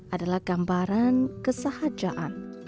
adalah gambaran kesahajaan